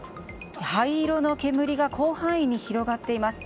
灰色の煙が広範囲に広がっています。